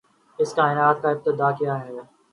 اس کائنات کی ابتدا کیا ہے؟